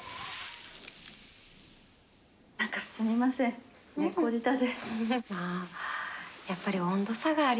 何かすみません猫舌で。